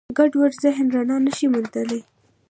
ګډوډ ذهن رڼا نهشي موندلی.